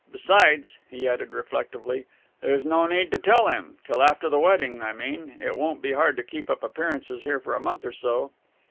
Besides," he added reflectively, "there's no need to tell him! Till after the wedding, I mean. It won't be hard to keep up appearances here for a month or so."